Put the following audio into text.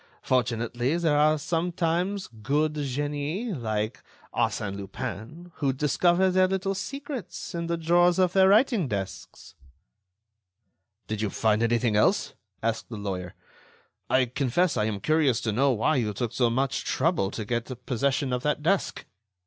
Fortunately, there are sometimes good genii like Arsène Lupin who discover their little secrets in the drawers of their writing desks." "Did you find anything else?" asked the lawyer. "I confess I am curious to know why you took so much trouble to get possession of that desk."